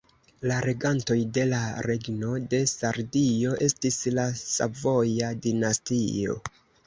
La regantoj de la Regno de Sardio estis la Savoja dinastio.